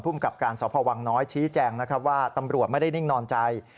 กับการสพวังน้อยชี้แจงนะครับว่าตำรวจไม่ได้นิ่งนอนใจ